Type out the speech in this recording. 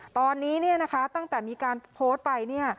ตอนนี้ตั้งแต่มีการโพสต์ไป